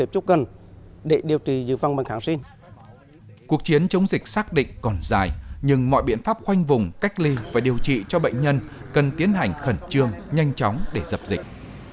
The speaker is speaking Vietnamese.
cuộc chiến chống dịch xác định còn dài nhưng mọi biện pháp khoanh vùng cách ly và điều trị cho bệnh nhân cần tiến hành khẩn trương nhanh chóng để dập dịch